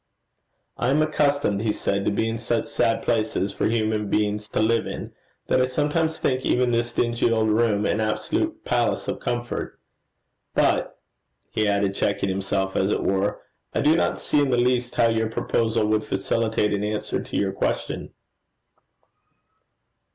'I am accustomed,' he said, 'to be in such sad places for human beings to live in, that I sometimes think even this dingy old room an absolute palace of comfort. But,' he added, checking himself, as it were, 'I do not see in the least how your proposal would facilitate an answer to your question.'